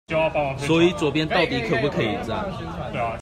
所以左邊到底可不可以站